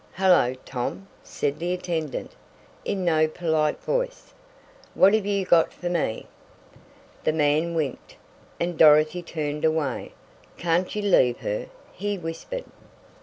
"Hello, Tom!" said the attendant, in no polite voice, "What have you got for me?" The man winked, and Dorothy turned away. "Can't you leave her?" he whispered.